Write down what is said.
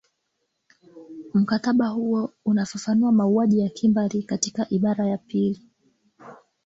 mkataba huo unafafanua mauaji ya kimbari katika ibara ya pili